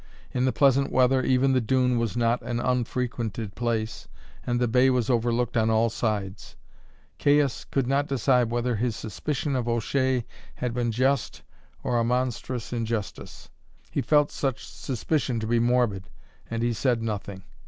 In the pleasant weather even the dune was not an unfrequented place, and the bay was overlooked on all sides. Caius could not decide whether his suspicion of O'Shea had been just or a monstrous injustice. He felt such suspicion to be morbid, and he said nothing.